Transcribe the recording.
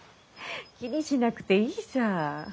気にしなくていいさ。